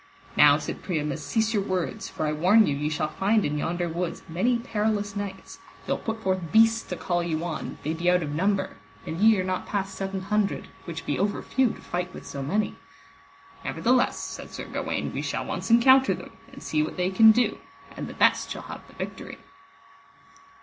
Now, said Priamus, cease your words, for I warn you ye shall find in yonder woods many perilous knights; they will put forth beasts to call you on, they be out of number, and ye are not past seven hundred, which be over few to fight with so many. Nevertheless, said Sir Gawaine, we shall once encounter them, and see what they can do, and the best shall have the victory.